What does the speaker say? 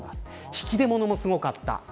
引き出物もすごかった。